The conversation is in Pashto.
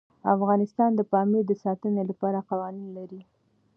افغانستان د پامیر د ساتنې لپاره قوانین لري.